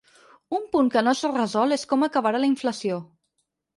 Un punt que no es resol és com acabarà la inflació.